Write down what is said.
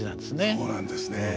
そうなんですね。